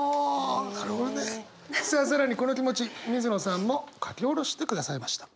更にこの気持ち水野さんも書き下ろしてくださいました。